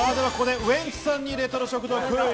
ウエンツさんにレトロ食堂クイズ！